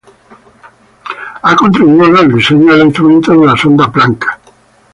Ha contribuido al diseño de los instrumentos de la sonda Planck.